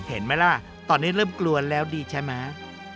เห็นมั้ยล่ะตอนนี้เริ่มกลัวแล้วดีใช่มั้ย